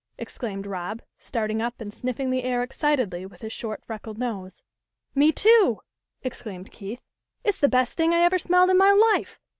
" exclaimed Rob, starting up and sniffing the air excitedly with his short freckled nose. " Me too !" exclaimed Keith. " It's the best thing I ever smelled in my life.